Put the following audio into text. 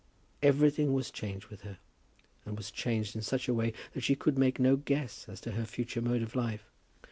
Everything was changed with her, and was changed in such a way that she could make no guess as to her future mode of life.